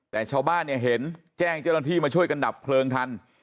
แต่ชาวบ้านเนี่ยเห็นแจ้งเจ้าหน้าที่มาช่วยกันดับเพลิงทัน